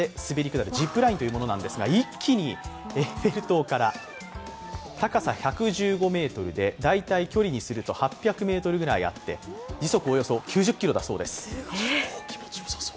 下るジップラインというものですが一気にエッフェル塔から、高さ１１５ｍで大体距離にすると８００ｍくらいあって、時速およそ９０キロだそうです。